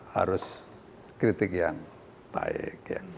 harus kritik yang baik